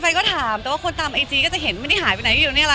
แฟนก็ถามแต่ว่าคนตามไอจีก็จะเห็นมันหายไปไหนอยู่นี่แหละ